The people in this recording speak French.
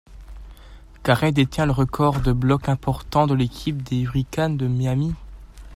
Carey détient le record de blocks importants de l'équipe des Hurricanes de Miami.